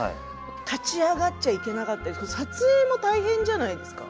立ち上がっちゃいけなかったり撮影も大変じゃないですか。